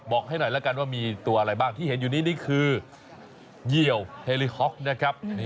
ให้หน่อยแล้วกันว่ามีตัวอะไรบ้างที่เห็นอยู่นี้นี่คือเยี่ยวเฮลิฮ็อกนะครับ